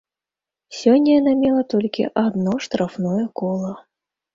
Сёння яна мела толькі адно штрафное кола.